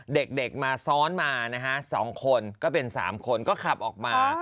เด็กมาซ้อนมานะฮะ๒คนก็เป็น๓คนก็ขับออกมา